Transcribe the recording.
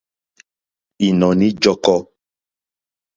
Ìnɔ̀ní ǃjɔ́kɔ́.